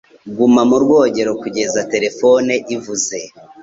Guma mu bwogero kugeza terefone ivuze